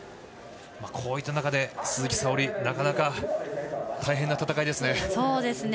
こういった中で鈴木沙織はなかなか大変な戦いですね。